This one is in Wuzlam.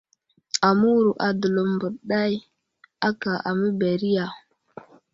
Aməwuro a Dəlov mbeɗeɗay aka aməberiya.